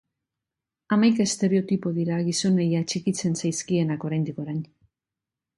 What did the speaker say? Hamaika estereotipo dira gizonei atxikitzen zaizkienak oraindik orain.